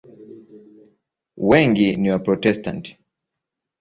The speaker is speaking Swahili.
Wengi ni Waprotestanti.